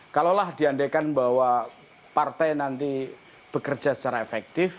kalaulah diandaikan bahwa partai nanti bekerja secara efektif